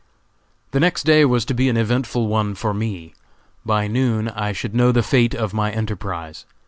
The next day was to be an eventful one for me. By noon I should know the fate of my enterprise.